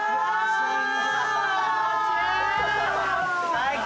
最高！